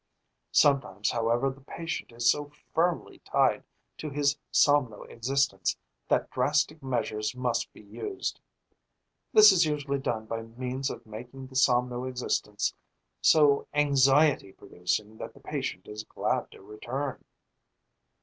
Sometimes, however, the patient is so firmly tied to his somno existence that drastic measures must be used. This is usually done by means of making the somno existence so anxiety producing that the patient is glad to return.